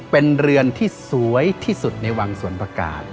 เป็นเรือนที่สวยที่สุดในวังสวนประกาศ